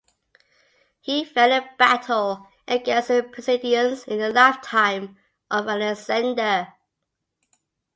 He fell in battle against the Pisidians in the lifetime of Alexander.